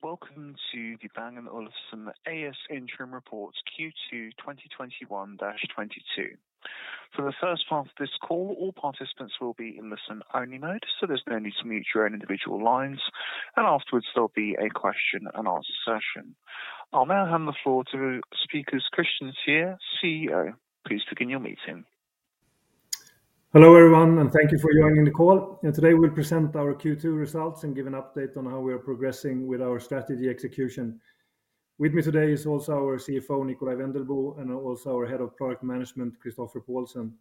Welcome to the Bang & Olufsen A/S Interim Report Q2 2021-22. For the first part of this call, all participants will be in listen-only mode, so there's no need to mute your own individual lines. Afterwards, there'll be a question and answer session. I'll now hand the floor to speakers. Kristian Teär, CEO, please begin your meeting. Hello, everyone, and thank you for joining the call. Today, we'll present our Q2 results and give an update on how we are progressing with our strategy execution. With me today is also our CFO, Nikolaj Wendelboe, and also our Head of Product Management, Christoffer Poulsen.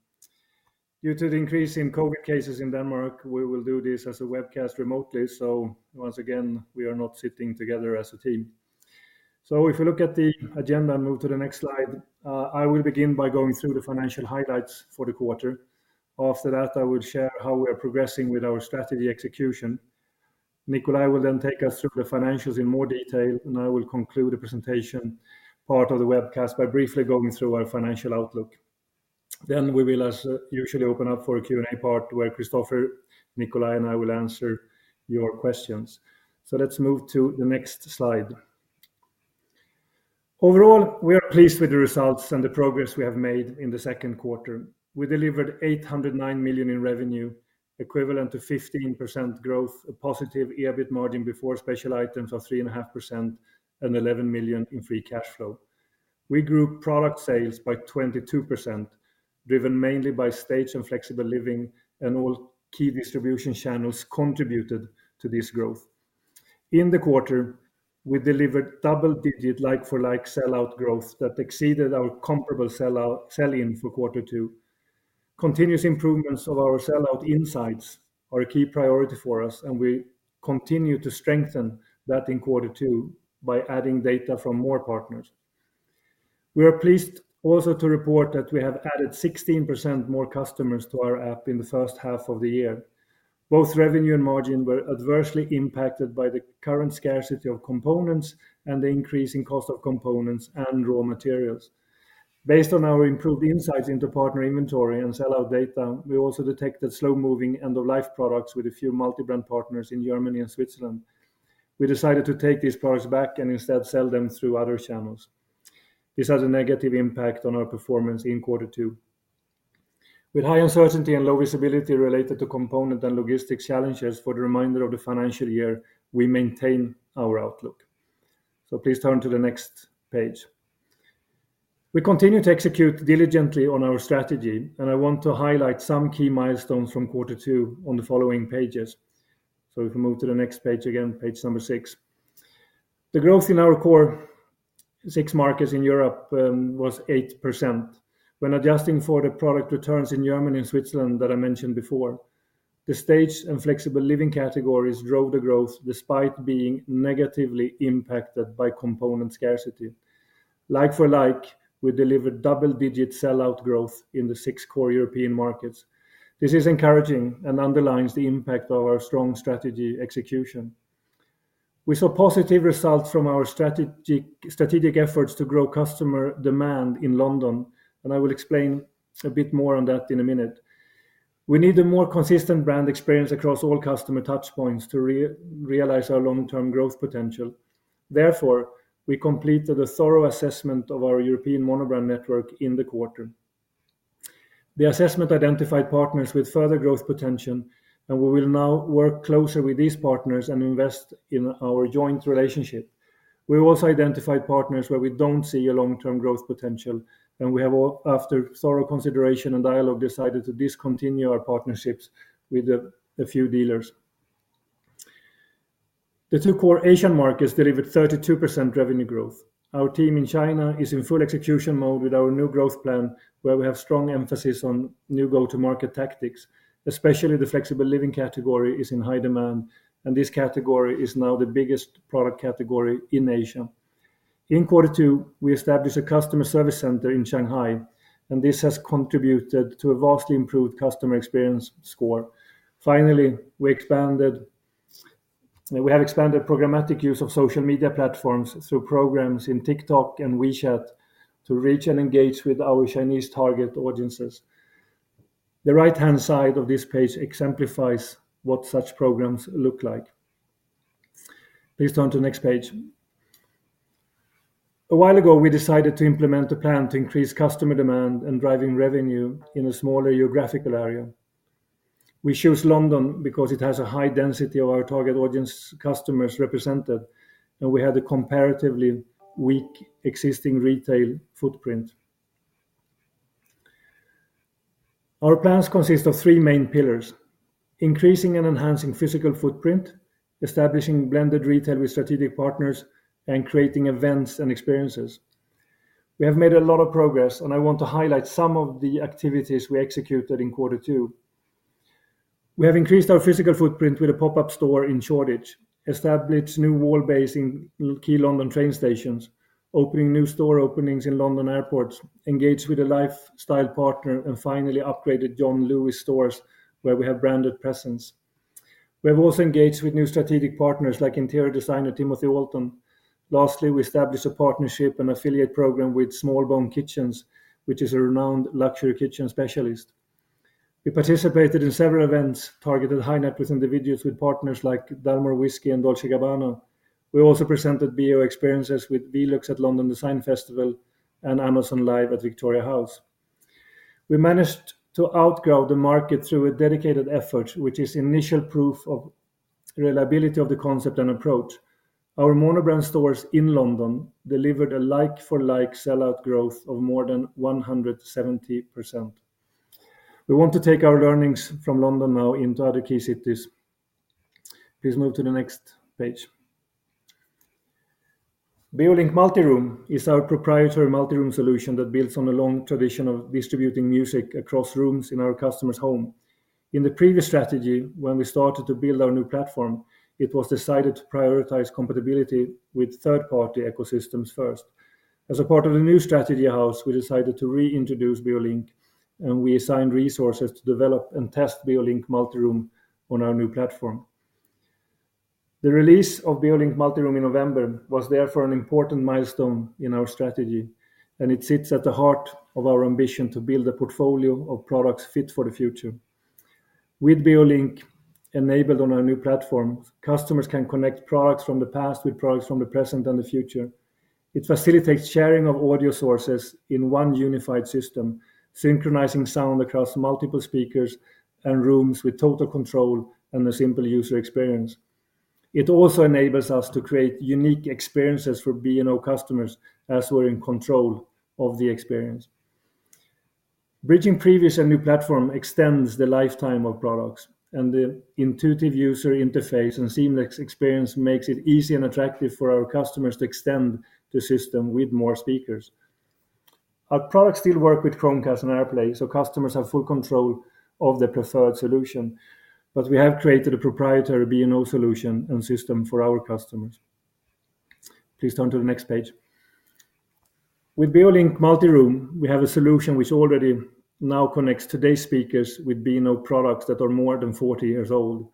Due to the increase in COVID cases in Denmark, we will do this as a webcast remotely. Once again, we are not sitting together as a team. If you look at the agenda and move to the next slide, I will begin by going through the financial highlights for the quarter. After that, I will share how we are progressing with our strategy execution. Nikolaj will then take us through the financials in more detail, and I will conclude the presentation part of the webcast by briefly going through our financial outlook. We will, as usual, open up for a Q&A part where Christoffer, Nikolaj, and I will answer your questions. Let's move to the next slide. Overall, we are pleased with the results and the progress we have made in the Q2. We delivered 809 million in revenue, equivalent to 15% growth, a positive EBIT margin before special items of 3.5%, and 11 million in free cash flow. We grew product sales by 22%, driven mainly by Staged and Flexible Living, and all key distribution channels contributed to this growth. In the quarter, we delivered double-digit like-for-like sell-out growth that exceeded our comparable sell-out, sell-in for quarter two. Continuous improvements of our sell-out insights are a key priority for us, and we continue to strengthen that in quarter two by adding data from more partners. We are pleased also to report that we have added 16% more customers to our app in the first half of the year. Both revenue and margin were adversely impacted by the current scarcity of components and the increase in cost of components and raw materials. Based on our improved insights into partner inventory and sell-out data, we also detected slow-moving end-of-life products with a few multi-brand partners in Germany and Switzerland. We decided to take these products back and instead sell them through other channels. This has a negative impact on our performance in quarter two. With high uncertainty and low visibility related to component and logistics challenges for the remainder of the financial year, we maintain our outlook. Please turn to the next page. We continue to execute diligently on our strategy, and I want to highlight some key milestones from quarter two on the following pages. If we move to the next page again, page number 6. The growth in our core 6 markets in Europe was 8% when adjusting for the product returns in Germany and Switzerland that I mentioned before. The Staged and Flexible Living categories drove the growth despite being negatively impacted by component scarcity. Like for like, we delivered double-digit sell-out growth in the 6 core European markets. This is encouraging and underlines the impact of our strong strategy execution. We saw positive results from our strategic efforts to grow customer demand in London, and I will explain a bit more on that in a minute. We need a more consistent brand experience across all customer touch points to realize our long-term growth potential. Therefore, we completed a thorough assessment of our European monobrand network in the quarter. The assessment identified partners with further growth potential, and we will now work closer with these partners and invest in our joint relationship. We also identified partners where we don't see a long-term growth potential, and we have all, after thorough consideration and dialogue, decided to discontinue our partnerships with a few dealers. The two core Asian markets delivered 32% revenue growth. Our team in China is in full execution mode with our new growth plan, where we have strong emphasis on new go-to-market tactics, especially the Flexible Living category is in high demand, and this category is now the biggest product category in Asia. In quarter two, we established a customer service center in Shanghai, and this has contributed to a vastly improved customer experience score. Finally, we expanded. We have expanded programmatic use of social media platforms through programs in TikTok and WeChat to reach and engage with our Chinese target audiences. The right-hand side of this page exemplifies what such programs look like. Please turn to the next page. A while ago, we decided to implement a plan to increase customer demand and driving revenue in a smaller geographical area. We chose London because it has a high density of our target audience customers represented, and we had a comparatively weak existing retail footprint. Our plans consist of three main pillars. Increasing and enhancing physical footprint, establishing blended retail with strategic partners, and creating events and experiences. We have made a lot of progress, and I want to highlight some of the activities we executed in quarter two. We have increased our physical footprint with a pop-up store in Shoreditch, established new wall bays in key London train stations, opening new stores in London airports, engaged with a lifestyle partner, and finally upgraded John Lewis stores where we have branded presence. We have also engaged with new strategic partners like interior designer Timothy Oulton. Lastly, we established a partnership and affiliate program with Smallbone of Devizes kitchens, which is a renowned luxury kitchen specialist. We participated in several events, targeted high-net-worth individuals with partners like Dalmore Whisky and Dolce & Gabbana. We also presented B&O experiences with VELUX at London Design Festival and Amazon Live at Victoria House. We managed to outgrow the market through a dedicated effort, which is initial proof of reliability of the concept and approach. Our mono brand stores in London delivered a like-for-like sell-out growth of more than 170%. We want to take our learnings from London now into other key cities. Please move to the next page. Beolink Multiroom is our proprietary multiroom solution that builds on a long tradition of distributing music across rooms in our customer's home. In the previous strategy, when we started to build our new platform, it was decided to prioritize compatibility with third-party ecosystems first. As a part of the new strategy house, we decided to re-introduce Beolink, and we assigned resources to develop and test Beolink Multiroom on our new platform. The release of Beolink Multiroom in November was therefore an important milestone in our strategy, and it sits at the heart of our ambition to build a portfolio of products fit for the future. With Beolink enabled on our new platform, customers can connect products from the past with products from the present and the future. It facilitates sharing of audio sources in one unified system, synchronizing sound across multiple speakers and rooms with total control and a simple user experience. It also enables us to create unique experiences for B&O customers as we're in control of the experience. Bridging previous and new platform extends the lifetime of products, and the intuitive user interface and seamless experience makes it easy and attractive for our customers to extend the system with more speakers. Our products still work with Chromecast and AirPlay, so customers have full control of their preferred solution. But we have created a proprietary B&O solution and system for our customers. Please turn to the next page. With Beolink Multiroom, we have a solution which already now connects today's speakers with B&O products that are more than forty years old.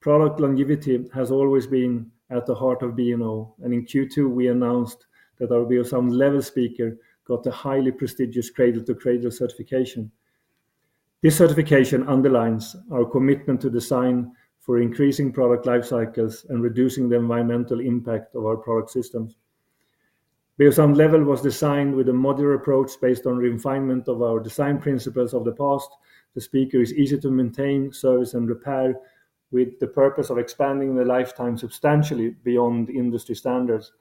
Product longevity has always been at the heart of B&O, and in Q2, we announced that our Beosound Level speaker got a highly prestigious Cradle to Cradle certification. This certification underlines our commitment to design for increasing product life cycles and reducing the environmental impact of our product systems. Beosound Level was designed with a modular approach based on refinement of our design principles of the past. The speaker is easy to maintain, service, and repair with the purpose of expanding the lifetime substantially beyond industry standards.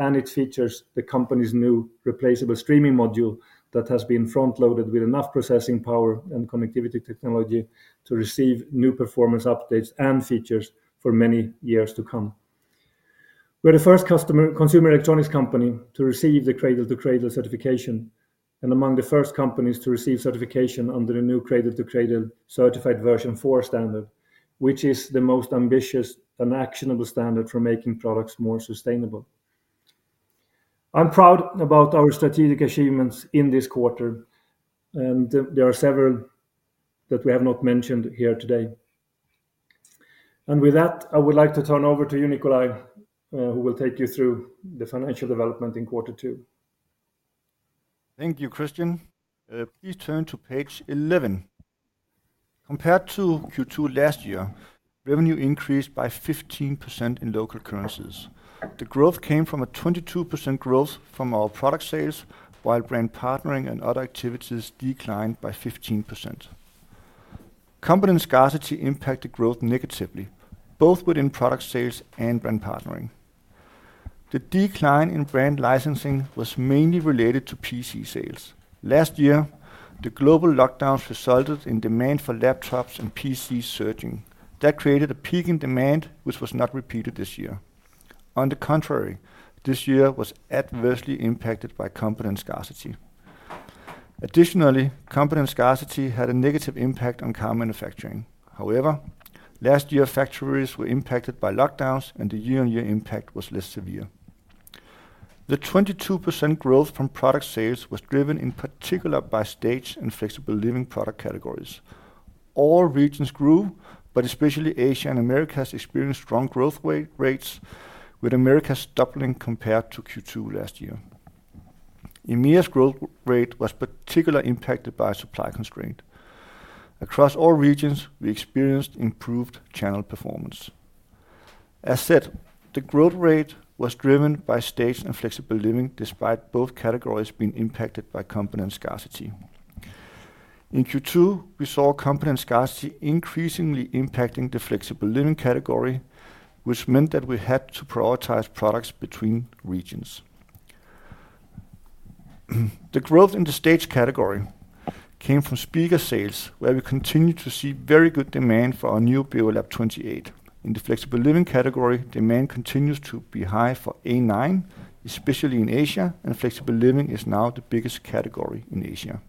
It features the company's new replaceable streaming module that has been front-loaded with enough processing power and connectivity technology to receive new performance updates and features for many years to come. We're the first consumer electronics company to receive the Cradle to Cradle certification and among the first companies to receive certification under the new Cradle to Cradle Certified version four standard, which is the most ambitious and actionable standard for making products more sustainable. I'm proud about our strategic achievements in this quarter, and there are several that we have not mentioned here today. With that, I would like to turn over to you, Nikolaj, who will take you through the financial development in quarter two. Thank you, Kristian. Please turn to page 11. Compared to Q2 last year, revenue increased by 15% in local currencies. The growth came from a 22% growth from our product sales, while brand partnering and other activities declined by 15%. Component scarcity impacted growth negatively, both within product sales and brand partnering. The decline in brand licensing was mainly related to PC sales. Last year, the global lockdowns resulted in demand for laptops and PCs surging. That created a peak in demand, which was not repeated this year. On the contrary, this year was adversely impacted by component scarcity. Additionally, component scarcity had a negative impact on car manufacturing. However, last year, factories were impacted by lockdowns, and the year-on-year impact was less severe. The 22% growth from product sales was driven in particular by Staged and Flexible Living product categories. All regions grew, but especially Asia and Americas experienced strong growth rates, with Americas doubling compared to Q2 last year. EMEA's growth rate was particularly impacted by supply constraint. Across all regions, we experienced improved channel performance. As said, the growth rate was driven by Staged and Flexible Living, despite both categories being impacted by component scarcity. In Q2, we saw component scarcity increasingly impacting the Flexible Living category, which meant that we had to prioritize products between regions. The growth in the Staged category came from speaker sales, where we continued to see very good demand for our new Beolab 28. In the Flexible Living category, demand continues to be high for A9, especially in Asia, and Flexible Living is now the biggest category in Asia.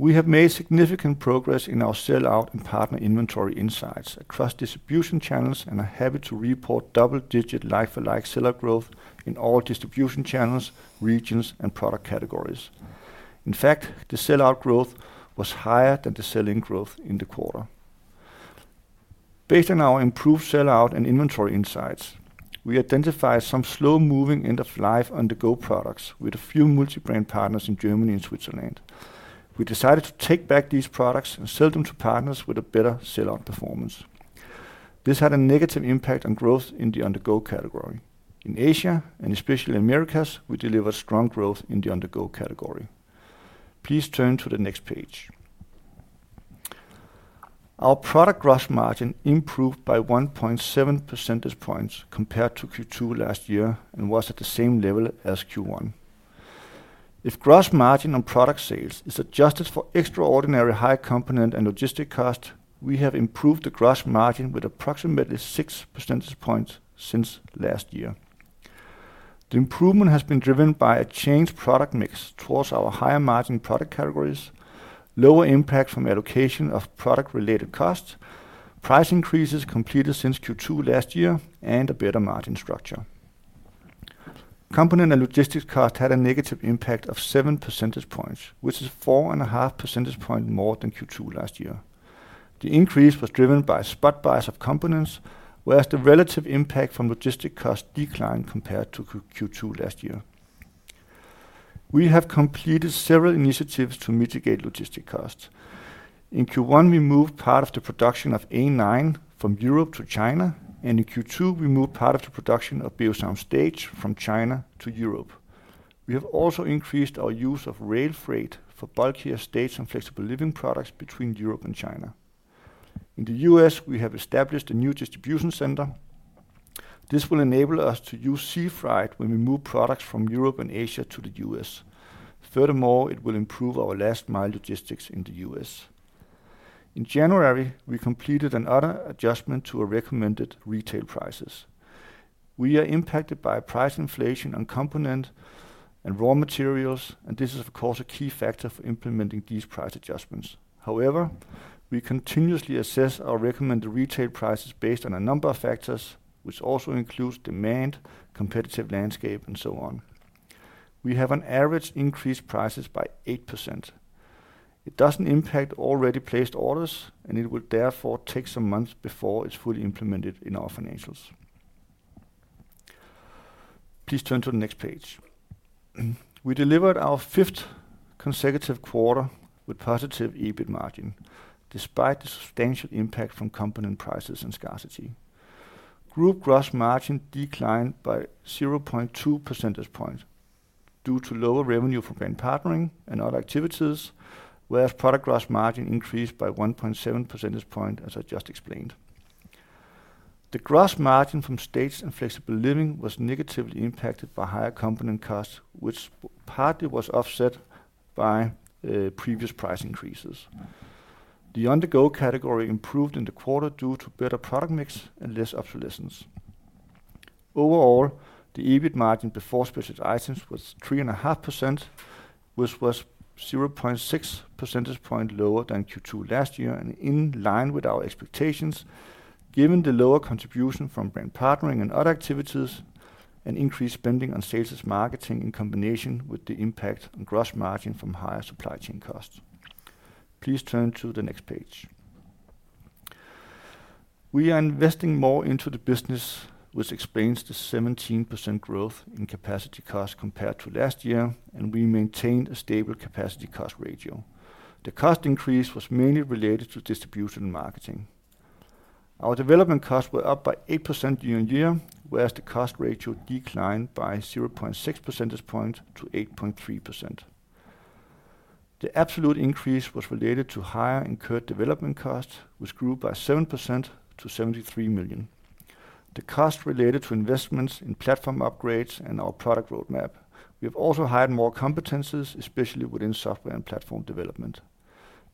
We have made significant progress in our sell-out and partner inventory insights across distribution channels and are happy to report double-digit like-for-like sell-out growth in all distribution channels, regions, and product categories. In fact, the sell-out growth was higher than the sell-in growth in the quarter. Based on our improved sell-out and inventory insights, we identified some slow-moving end-of-life On-the-go products with a few multi-brand partners in Germany and Switzerland. We decided to take back these products and sell them to partners with a better sell-out performance. This had a negative impact on growth in the On-the-go category. In Asia, and especially Americas, we delivered strong growth in the On-the-go category. Please turn to the next page. Our product gross margin improved by 1.7 percentage points compared to Q2 last year and was at the same level as Q1. If gross margin on product sales is adjusted for extraordinarily high component and logistics costs, we have improved the gross margin with approximately 6 percentage points since last year. The improvement has been driven by a changed product mix toward our higher margin product categories, lower impact from allocation of product-related costs, price increases completed since Q2 last year, and a better margin structure. Component and logistics costs had a negative impact of 7 percentage points, which is 4.5 percentage points more than Q2 last year. The increase was driven by spot buys of components, whereas the relative impact from logistics costs declined compared to Q2-Q2 last year. We have completed several initiatives to mitigate logistics costs. In Q1, we moved part of the production of A9 from Europe to China, and in Q2, we moved part of the production of Beosound Stage from China to Europe. We have also increased our use of rail freight for bulkier Staged and Flexible Living products between Europe and China. In the U.S., we have established a new distribution center. This will enable us to use sea freight when we move products from Europe and Asia to the U.S. Furthermore, it will improve our last-mile logistics in the U.S. In January, we completed another adjustment to our recommended retail prices. We are impacted by price inflation on component and raw materials, and this is of course a key factor for implementing these price adjustments. However, we continuously assess our recommended retail prices based on a number of factors, which also includes demand, competitive landscape, and so on. We have on average increased prices by 8%. It doesn't impact already placed orders, and it would therefore take some months before it's fully implemented in our financials. Please turn to the next page. We delivered our fifth consecutive quarter with positive EBIT margin despite the substantial impact from component prices and scarcity. Group gross margin declined by 0.2 percentage points due to lower revenue from brand partnering and other activities, whereas product gross margin increased by 1.7 percentage point, as I just explained. The gross margin from Staged and Flexible Living was negatively impacted by higher component costs, which partly was offset by previous price increases. The On-the-Go category improved in the quarter due to better product mix and less obsolescence. Overall, the EBIT margin before special items was 3.5%, which was 0.6 percentage point lower than Q2 last year and in line with our expectations, given the lower contribution from brand partnering and other activities and increased spending on sales and marketing in combination with the impact on gross margin from higher supply chain costs. Please turn to the next page. We are investing more into the business, which explains the 17% growth in capacity costs compared to last year, and we maintained a stable capacity cost ratio. The cost increase was mainly related to distribution and marketing. Our development costs were up by 8% year on year, whereas the cost ratio declined by 0.6 percentage point to 8.3%. The absolute increase was related to higher incurred development costs, which grew by 7% to 73 million. The cost related to investments in platform upgrades and our product roadmap. We have also hired more competencies, especially within software and platform development.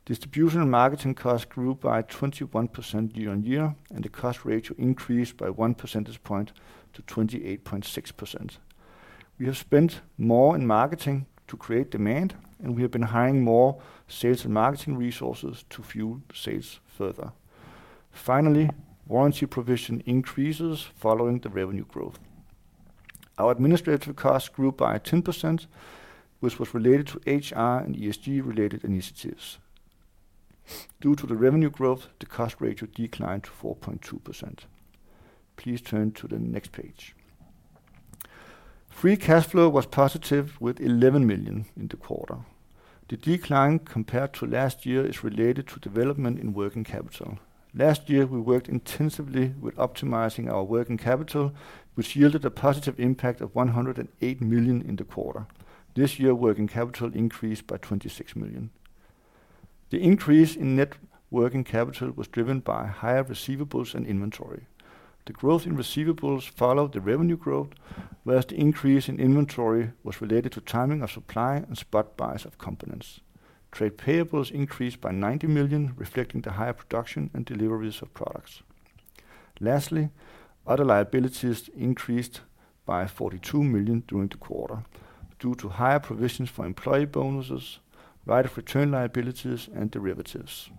Distribution and marketing costs grew by 21% year-on-year, and the cost ratio increased by 1 percentage point to 28.6%. We have spent more in marketing to create demand, and we have been hiring more sales and marketing resources to fuel sales further. Finally, warranty provision increases following the revenue growth. Our administrative costs grew by 10%, which was related to HR and ESG-related initiatives. Due to the revenue growth, the cost ratio declined to 4.2%. Please turn to the next page. Free cash flow was positive with 11 million in the quarter. The decline compared to last year is related to development in working capital. Last year, we worked intensively with optimizing our working capital, which yielded a positive impact of 108 million in the quarter. This year, working capital increased by 26 million. The increase in net working capital was driven by higher receivables and inventory. The growth in receivables followed the revenue growth, whereas the increase in inventory was related to timing of supply and spot buyers of components. Trade payables increased by 90 million, reflecting the higher production and deliveries of products. Lastly, other liabilities increased by 42 million during the quarter due to higher provisions for employee bonuses, right of return liabilities, and derivatives.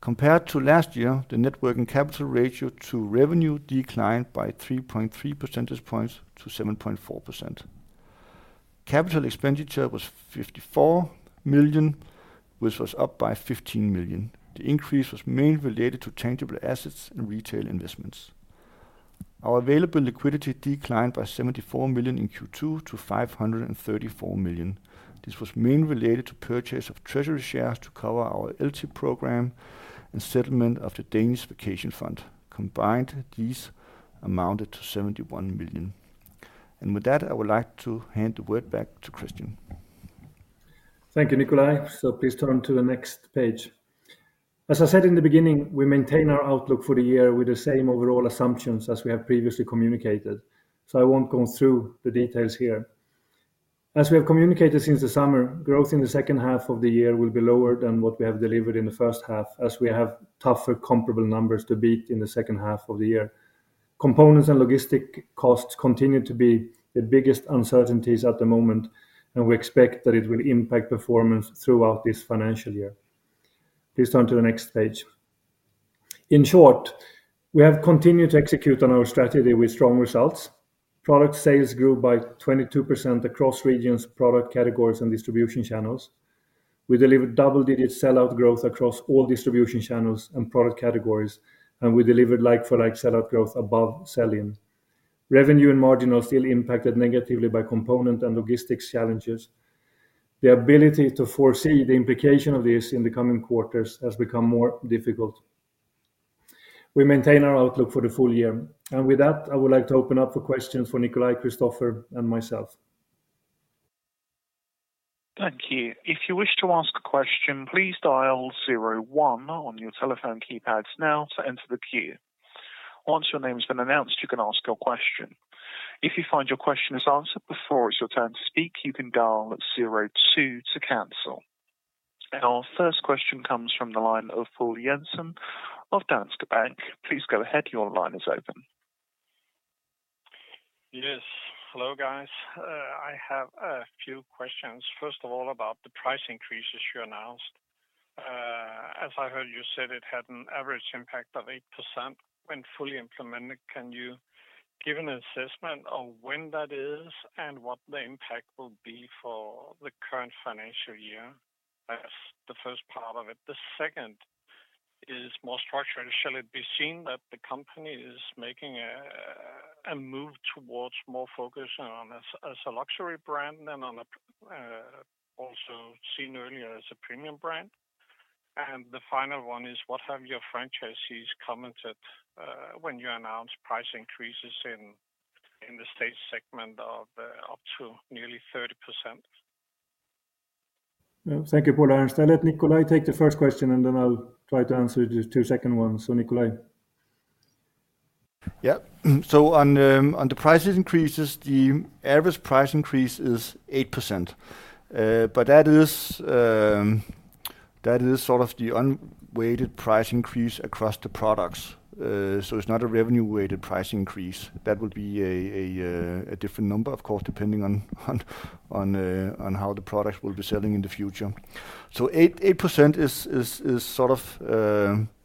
Compared to last year, the net working capital ratio to revenue declined by 3.3 percentage points to 7.4%. Capital expenditure was 54 million, which was up by 15 million. The increase was mainly related to tangible assets and retail investments. Our available liquidity declined by 74 million in Q2 to 534 million. This was mainly related to purchase of treasury shares to cover our LTI program and settlement of the Danish Vacation Fund. Combined, these amounted to 71 million. With that, I would like to hand the word back to Kristian. Thank you, Nikolaj. Please turn to the next page. As I said in the beginning, we maintain our outlook for the year with the same overall assumptions as we have previously communicated, so I won't go through the details here. As we have communicated since the summer, growth in the second half of the year will be lower than what we have delivered in the first half as we have tougher comparable numbers to beat in the second half of the year. Components and logistics costs continue to be the biggest uncertainties at the moment, and we expect that it will impact performance throughout this financial year. Please turn to the next page. In short, we have continued to execute on our strategy with strong results. Product sales grew by 22% across regions, product categories, and distribution channels. We delivered double-digit sell-out growth across all distribution channels and product categories, and we delivered like-for-like sell-out growth above sell-in. Revenue and margin are still impacted negatively by component and logistics challenges. The ability to foresee the implication of this in the coming quarters has become more difficult. We maintain our outlook for the full year. With that, I would like to open up for questions for Nikolaj, Christoffer, and myself. Thank you. If you wish to ask a question, please dial zero one on your telephone keypads now to enter the queue. Once your name has been announced, you can ask your question. If you find your question is answered before it's your turn to speak, you can dial zero two to cancel. Our first question comes from the line of Poul Jessen of Danske Bank. Please go ahead. Your line is open. Yes. Hello, guys. I have a few questions. First of all, about the price increases you announced. As I heard you said it had an average impact of 8% when fully implemented. Can you give an assessment of when that is and what the impact will be for the current financial year as the first part of it? The second is more structured. Shall it be seen that the company is making a move towards more focus on as a luxury brand than on a also seen earlier as a premium brand? The final one is, what have your franchisees commented when you announced price increases in the Staged segment of up to nearly 30%? Thank you, Poul Jessen. I'll let Nikolaj take the first question, and then I'll try to answer the two second ones. Nikolaj. Yeah. On the price increases, the average price increase is 8%. That is sort of the unweighted price increase across the products. It's not a revenue-weighted price increase. That would be a different number, of course, depending on how the products will be selling in the future. Eight percent is sort of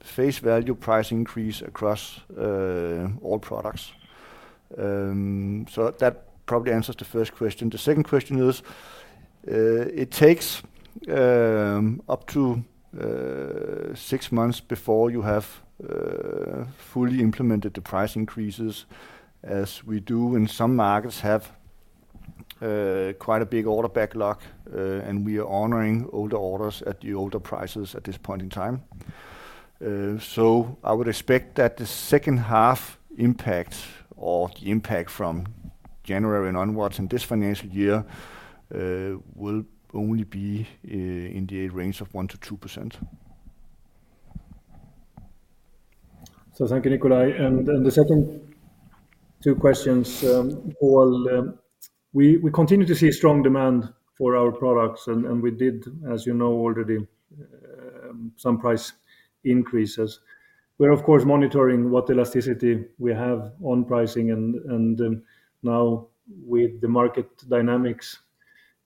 face value price increase across all products. That probably answers the first question. The second question is, it takes up to 6 months before you have fully implemented the price increases as we do, and some markets have quite a big order backlog, and we are honoring older orders at the older prices at this point in time. I would expect that the second half impact or the impact from January and onwards in this financial year will only be in the range of 1%-2%. Thank you, Nikolaj. The second two questions, Poul, we continue to see strong demand for our products and we did, as you know already, some price increases. We're of course monitoring what elasticity we have on pricing and now with the market dynamics,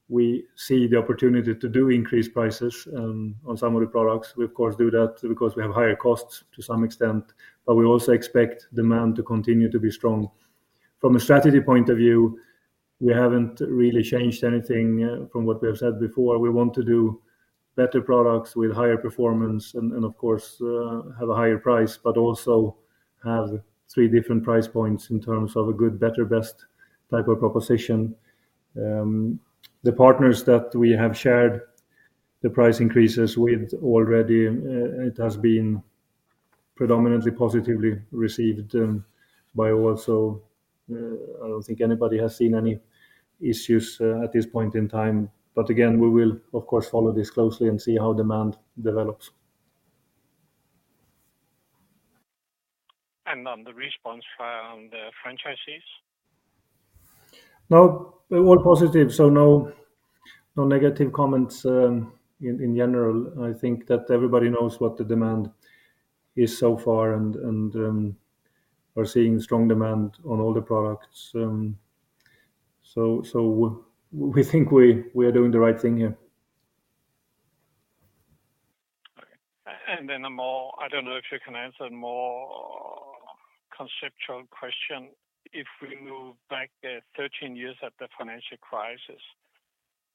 we see the opportunity to do increased prices on some of the products. We of course do that because we have higher costs to some extent, but we also expect demand to continue to be strong. From a strategy point of view, we haven't really changed anything from what we have said before. We want to do better products with higher performance and of course have a higher price, but also have three different price points in terms of a good, better, best type of proposition. The partners that we have shared the price increases with already, it has been predominantly positively received, by all. I don't think anybody has seen any issues, at this point in time. Again, we will of course follow this closely and see how demand develops. On the response from the franchisees? No, they're all positive, so no negative comments. In general, I think that everybody knows what the demand is so far and are seeing strong demand on all the products. We think we are doing the right thing here. I don't know if you can answer a more conceptual question. If we move back 13 years to the financial crisis,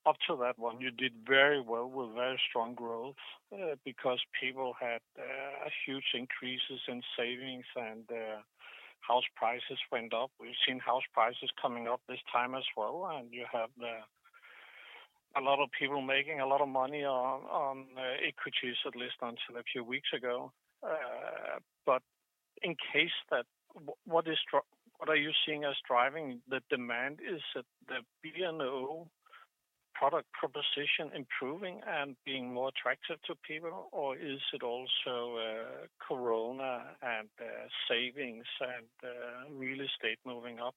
up to that one you did very well with very strong growth, because people had huge increases in savings and house prices went up. We've seen house prices coming up this time as well, and you have a lot of people making a lot of money on equities, at least until a few weeks ago. But what are you seeing as driving the demand? Is it the B&O product proposition improving and being more attractive to people, or is it also COVID and savings and real estate moving up?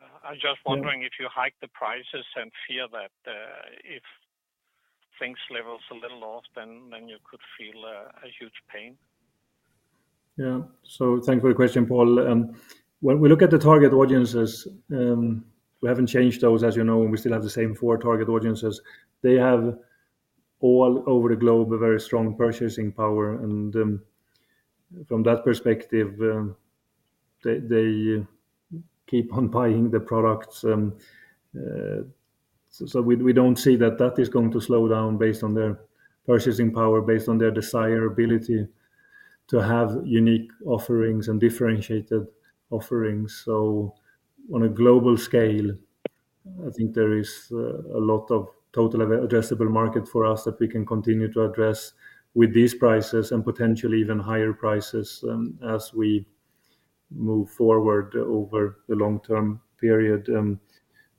Yeah. I'm just wondering if you hike the prices and fear that if things levels a little off, then you could feel a huge pain. Yeah. Thanks for the question, Poul. When we look at the target audiences, we haven't changed those, as you know, and we still have the same four target audiences. They have all over the globe a very strong purchasing power and, from that perspective, they keep on buying the products. We don't see that is going to slow down based on their purchasing power, based on their desirability to have unique offerings and differentiated offerings. On a global scale, I think there is a lot of total addressable market for us that we can continue to address with these prices and potentially even higher prices, as we move forward over the long-term period.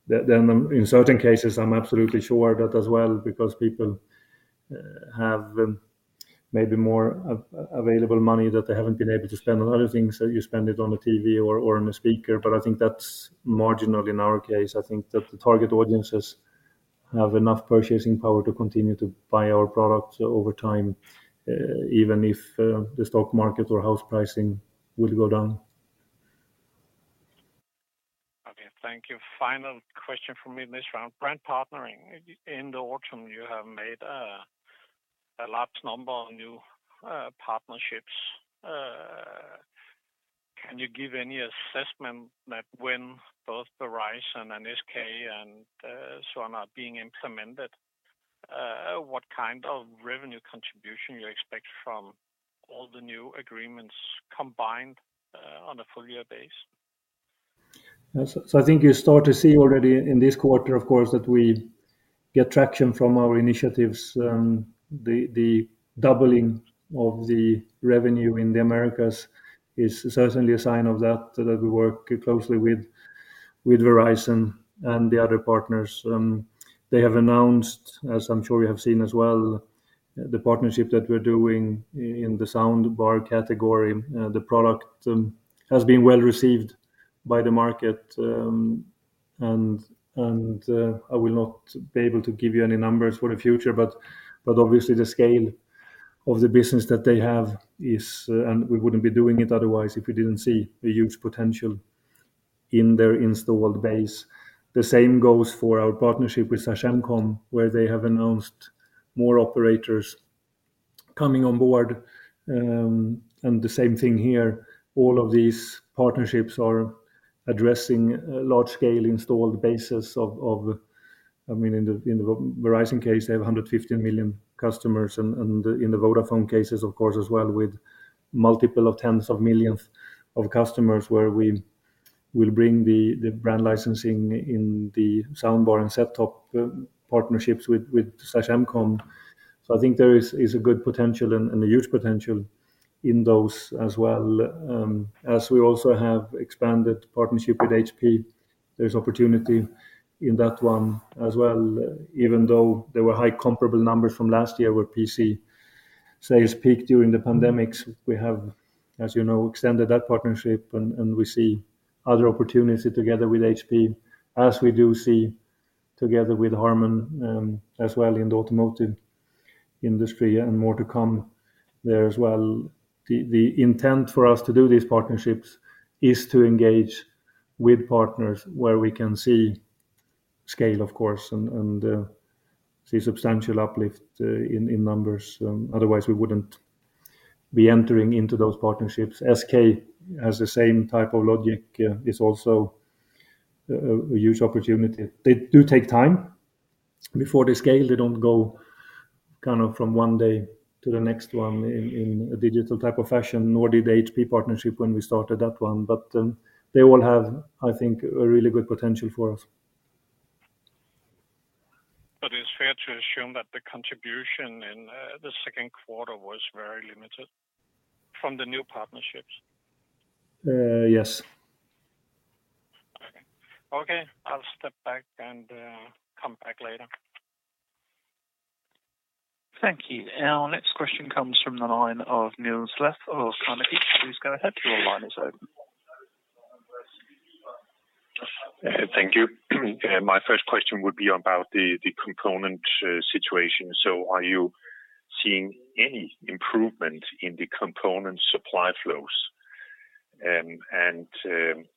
In certain cases I'm absolutely sure that as well, because people have maybe more available money that they haven't been able to spend on other things, so you spend it on a TV or on a speaker. I think that's marginal in our case. I think that the target audiences have enough purchasing power to continue to buy our products over time, even if the stock market or house pricing will go down. Okay, thank you. Final question from me in this round. Brand partnering. In the autumn, you have made a large number of new partnerships. Can you give any assessment that when both Verizon and SK and so on are being implemented, what kind of revenue contribution you expect from all the new agreements combined, on a full year basis? I think you start to see already in this quarter of course that we get traction from our initiatives. The doubling of the revenue in the Americas is certainly a sign of that we work closely with Verizon and the other partners. They have announced, as I'm sure you have seen as well, the partnership that we're doing in the soundbar category. The product has been well received by the market. I will not be able to give you any numbers for the future but obviously the scale of the business that they have is. We wouldn't be doing it otherwise if we didn't see a huge potential in their installed base. The same goes for our partnership with Sagemcom, where they have announced more operators coming on board. The same thing here, all of these partnerships are addressing a large scale installed bases of, I mean, in the Verizon case, they have 115 million customers and in the Vodafone case of course as well, with multiple of tens of millions of customers where we will bring the brand licensing in the sound bar and set-top partnerships with Sagemcom. I think there is a good potential and a huge potential in those as well. As we also have expanded partnership with HP, there's opportunity in that one as well. Even though there were high comparable numbers from last year where PC sales peaked during the pandemic, we have, as you know, extended that partnership and we see other opportunity together with HP as we do see together with Harman as well in the automotive industry and more to come there as well. The intent for us to do these partnerships is to engage with partners where we can see scale, of course, and see substantial uplift in numbers. Otherwise we wouldn't be entering into those partnerships. SK has the same type of logic, is also a huge opportunity. They do take time before they scale. They don't go kind of from one day to the next one in a digital type of fashion, nor did the HP partnership when we started that one. They all have, I think, a really good potential for us. It's fair to assume that the contribution in the Q2 was very limited from the new partnerships? Yes. Okay. Okay, I'll step back and come back later. Thank you. Our next question comes from the line of Niels Granholm-Leth of Carnegie. Please go ahead, your line is open. Thank you. My first question would be about the component situation. Are you seeing any improvement in the component supply flows?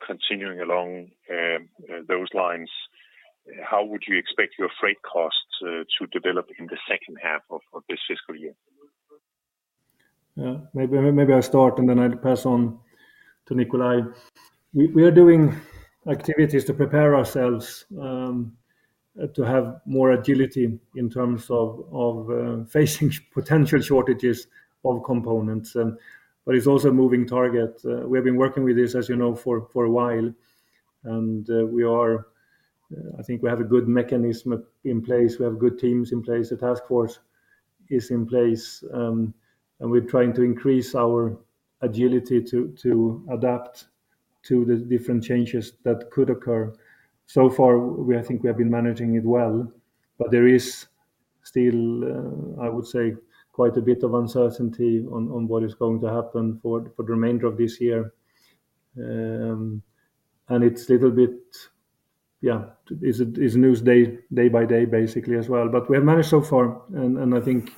Continuing along those lines, how would you expect your freight costs to develop in the second half of this fiscal year? Yeah. Maybe I'll start, and then I'll pass on to Nikolaj. We are doing activities to prepare ourselves to have more agility in terms of facing potential shortages of components. It's also a moving target. We have been working with this, as you know, for a while and I think we have a good mechanism in place. We have good teams in place. The task force is in place. We're trying to increase our agility to adapt to the different changes that could occur. So far, I think we have been managing it well, but there is still, I would say, quite a bit of uncertainty on what is going to happen for the remainder of this year. It's little bit. Yeah, it's news day by day basically as well. We have managed so far and I think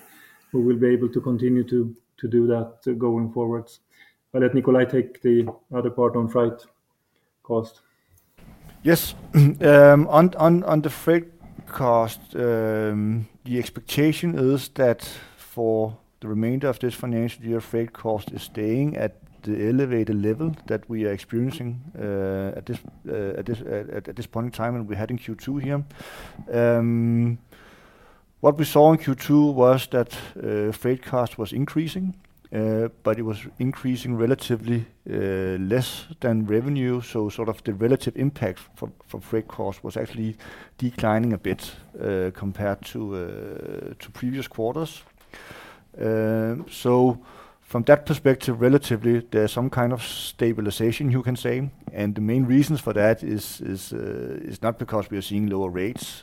we will be able to continue to do that going forwards. Let Nikolaj take the other part on freight cost. Yes. On the freight cost, the expectation is that for the remainder of this financial year, freight cost is staying at the elevated level that we are experiencing at this point in time and we had in Q2 here. What we saw in Q2 was that freight cost was increasing, but it was increasing relatively less than revenue. Sort of the relative impact for freight cost was actually declining a bit compared to previous quarters. From that perspective, relatively, there's some kind of stabilization you can say. The main reasons for that is not because we are seeing lower rates,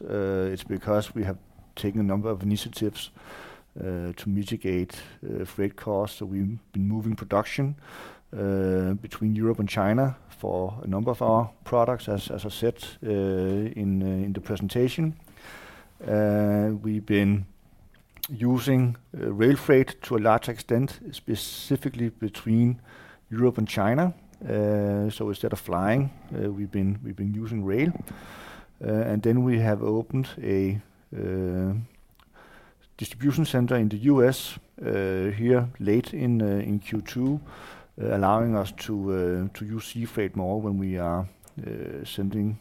it's because we have taken a number of initiatives to mitigate freight costs. We've been moving production between Europe and China for a number of our products, as I said in the presentation. We've been using rail freight to a large extent, specifically between Europe and China. Instead of flying, we've been using rail. We have opened a distribution center in the U.S. here late in Q2, allowing us to use sea freight more when we are sending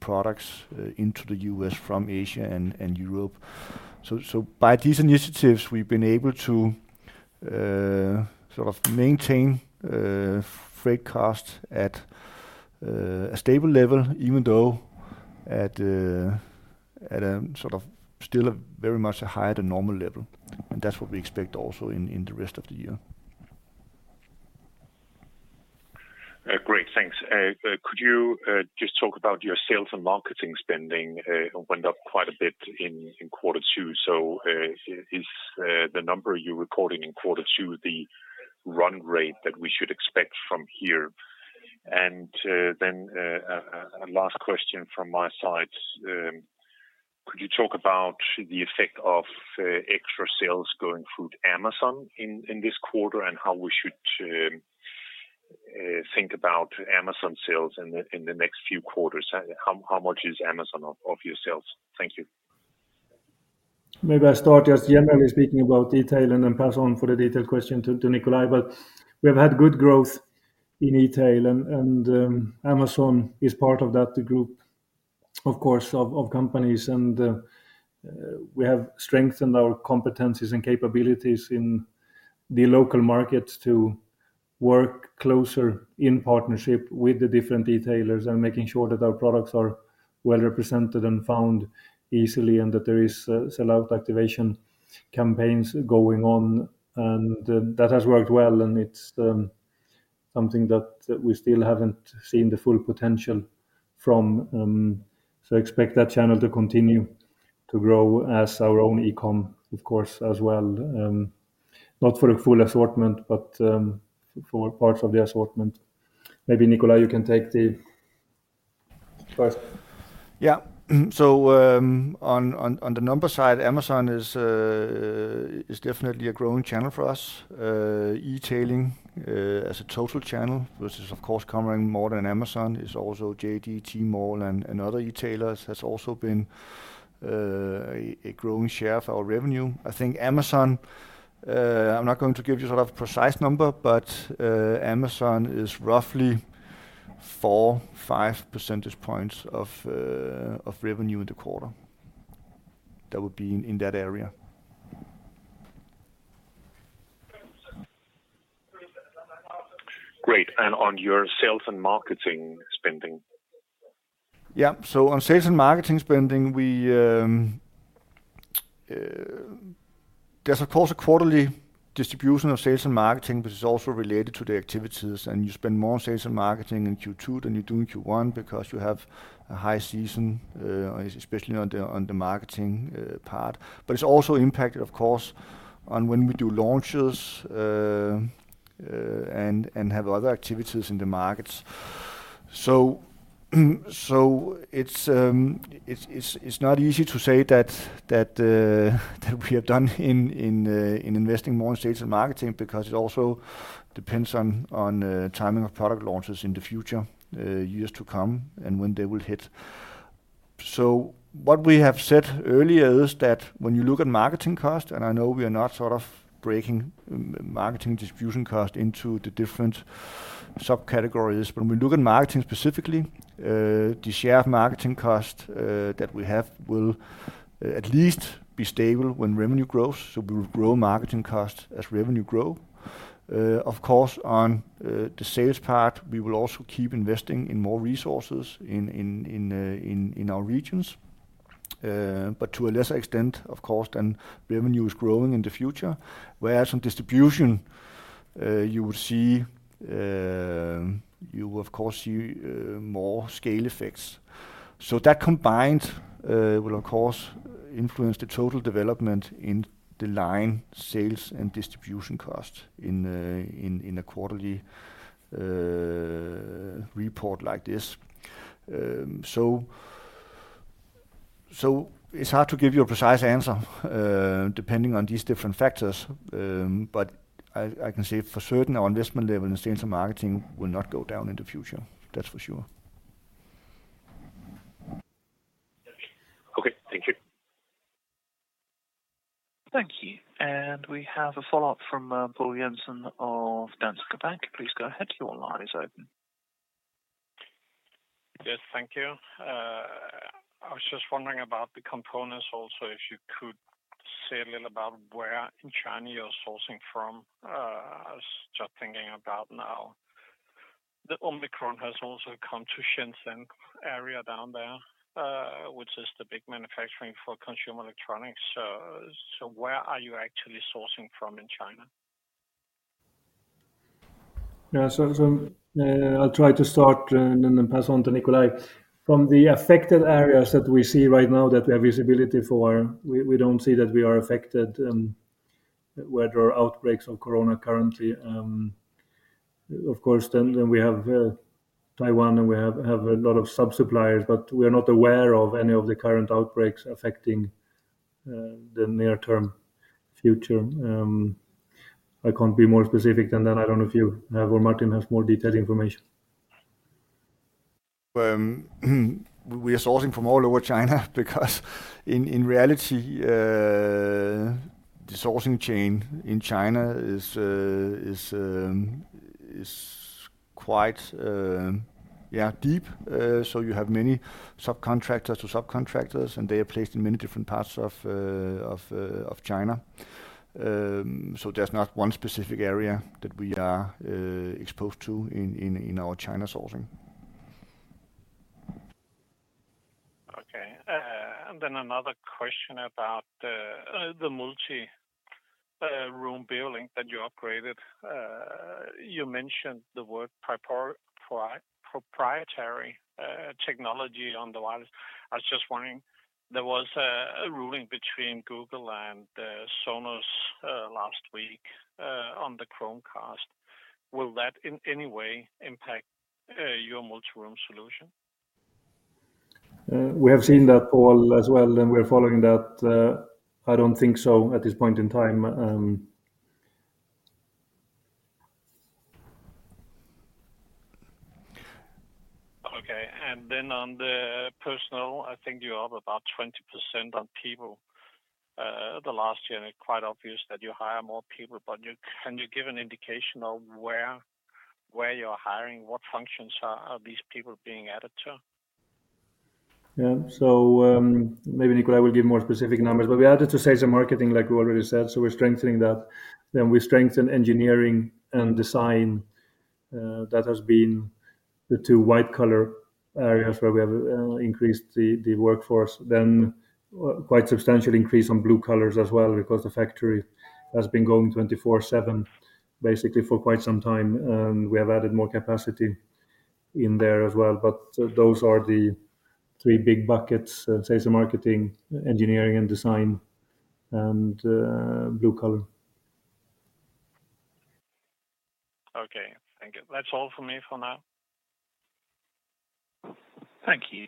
products into the U.S. from Asia and Europe. By these initiatives, we've been able to sort of maintain freight cost at a stable level, even though at a sort of still a very much higher than normal level. That's what we expect also in the rest of the year. Great. Thanks. Could you just talk about your sales and marketing spending went up quite a bit in quarter two. Is the number you recorded in quarter two the run rate that we should expect from here? A last question from my side. Could you talk about the effect of extra sales going through Amazon in this quarter, and how we should think about Amazon sales in the next few quarters? How much is Amazon of your sales? Thank you. Maybe I start just generally speaking about e-tail and then pass on for the detailed question to Nicolai. We have had good growth in e-tail and Amazon is part of that group, of course, of companies. We have strengthened our competencies and capabilities in the local markets to work closer in partnership with the different e-tailers and making sure that our products are well represented and found easily, and that there is sellout activation campaigns going on. That has worked well, and it's something that we still haven't seen the full potential from. Expect that channel to continue to grow as our own e-com, of course, as well. Not for a full assortment, but for parts of the assortment. Maybe Nicolai, you can take the rest. Yeah, on the number side, Amazon is definitely a growing channel for us. E-tailing as a total channel, which is of course covering more than Amazon, is also JD, Tmall, and other e-tailers, has also been a growing share of our revenue. I think Amazon, I'm not going to give you sort of a precise number, but Amazon is roughly 4-5 percentage points of revenue in the quarter. That would be in that area. Great. On your sales and marketing spending? Yeah. On sales and marketing spending, we, there's of course a quarterly distribution of sales and marketing, but it's also related to the activities. You spend more on sales and marketing in Q2 than you do in Q1 because you have a high season, especially on the marketing part. It's also impacted, of course, on when we do launches and have other activities in the markets. It's not easy to say that we have been investing more in sales and marketing because it also depends on timing of product launches in the future years to come and when they will hit. What we have said earlier is that when you look at marketing cost, and I know we are not sort of breaking marketing distribution cost into the different subcategories, when we look at marketing specifically, the share of marketing cost that we have will at least be stable when revenue grows. We'll grow marketing costs as revenue grow. Of course, on the sales part, we will also keep investing in more resources in our regions. But to a lesser extent, of course, than revenue is growing in the future. Whereas on distribution, you will see, you will of course see more scale effects. That combined will of course influence the total development in the line sales and distribution costs in a quarterly report like this. It's hard to give you a precise answer, depending on these different factors. I can say for certain our investment level in sales and marketing will not go down in the future. That's for sure. Okay. Thank you. Thank you. We have a follow-up from Poul Jessen of Danske Bank. Please go ahead, your line is open. Yes, thank you. I was just wondering about the components also, if you could say a little about where in China you're sourcing from. I was just thinking about now the Omicron has also come to Shenzhen area down there, which is the big manufacturing for consumer electronics. Where are you actually sourcing from in China? Yeah. I'll try to start and then pass on to Nikolaj. From the affected areas that we see right now that we have visibility for, we don't see that we are affected where there are outbreaks of corona currently. Of course, we have Taiwan and we have a lot of sub-suppliers, but we are not aware of any of the current outbreaks affecting the near term future. I can't be more specific than that. I don't know if you have or Martin has more detailed information. We are sourcing from all over China because in reality, the sourcing chain in China is quite deep. You have many subcontractors to subcontractors, and they are placed in many different parts of China. There's not one specific area that we are exposed to in our China sourcing. Okay. Another question about the multi-room building that you upgraded. You mentioned the word proprietary technology on the wireless. I was just wondering, there was a ruling between Google and Sonos last week on the Chromecast. Will that in any way impact your multi-room solution? We have seen that, Paul, as well, and we're following that. I don't think so at this point in time. Okay. On the personnel, I think you have about 20% on people last year, and it's quite obvious that you hire more people. Can you give an indication of where you're hiring? What functions are these people being added to? Yeah. Maybe Nikolaj will give more specific numbers, but we added to sales and marketing, like we already said, so we're strengthening that. We strengthened engineering and design. That has been the two white collar areas where we have increased the workforce. Quite substantial increase on blue collars as well because the factory has been going 24/7 basically for quite some time, and we have added more capacity in there as well. Those are the three big buckets, sales and marketing, engineering and design, and blue collar. Okay. Thank you. That's all for me for now. Thank you.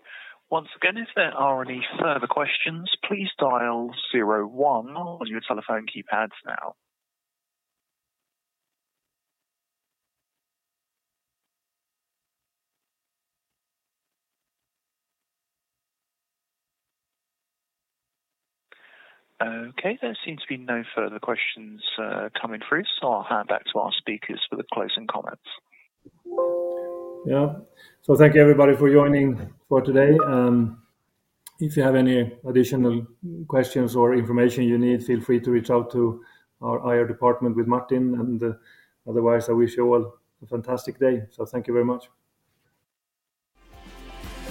Once again, if there are any further questions, please dial zero one on your telephone keypads now. Okay, there seems to be no further questions, coming through, so I'll hand back to our speakers for the closing comments. Yeah. Thank you, everybody, for joining for today. If you have any additional questions or information you need, feel free to reach out to our IR department with Martin. Otherwise, I wish you all a fantastic day. Thank you very much.